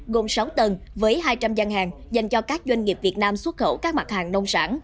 gồm sáu tầng với hai trăm linh gian hàng dành cho các doanh nghiệp việt nam xuất khẩu các mặt hàng nông sản